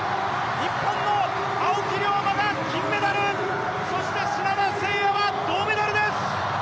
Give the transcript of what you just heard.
日本の青木涼真が銀メダル、そして砂田晟弥は銅メダルです！